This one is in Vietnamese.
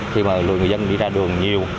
khi mà người dân đi ra đường nhiều